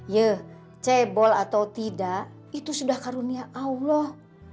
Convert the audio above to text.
ye cebol atau tidak itu sudah karunia allah